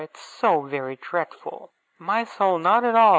'It's so very dreadful!' 'My soul, not at all!